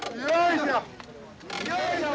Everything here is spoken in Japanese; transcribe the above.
よいしょ！